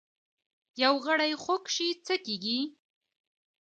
یو غړی خوږ شي څه کیږي؟